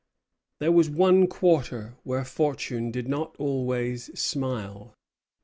There was one quarter where fortune did not always smile.